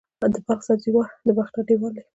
د بلخ سبزې وار د باختر دیوال دی